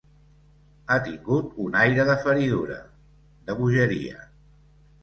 Ha tingut un aire de feridura, de bogeria.